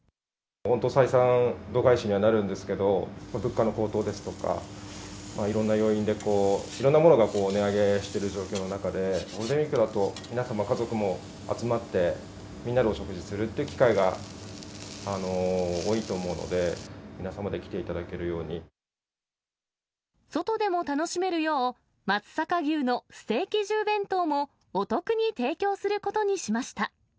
本当、採算度外視にはなるんですけど、物価の好投ですとか、いろんな要因でいろんなものが値上げしている状況の中で、ゴールデンウィークだと皆様、家族も集まって、みんなでお食事するっていう機会も多いと思うので、皆様で来てい外でも楽しめるよう、松阪牛のステーキ重弁当もお得に提供することにしました。